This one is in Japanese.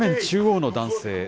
中央の男性。